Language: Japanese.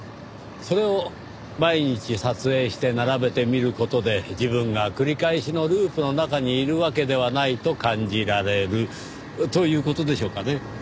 それを毎日撮影して並べて見る事で自分が繰り返しのループの中にいるわけではないと感じられるという事でしょうかね？